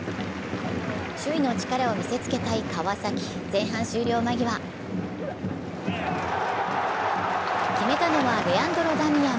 首位の力を見せつけたい川崎、前半終了間際、決めたのはレアンドロ・ダミアン。